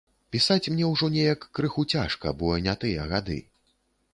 Пісаць мне ўжо неяк крыху цяжка, бо не тыя гады.